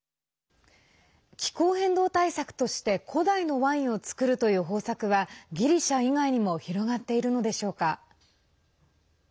気候変動対策として古代のワインを造るという方策はギリシャ以外にも広がっているのでしょうか。